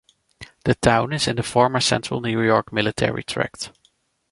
The town is in the former Central New York Military Tract.